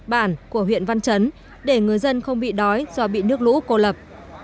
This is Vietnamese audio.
bản của huyện văn chấn để người dân không bị đói do bị nước lũ cô lập